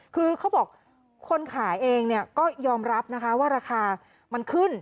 คือเขาบอกคนขายเองก็ยอมรับนะคะว่าราคามันขึ้น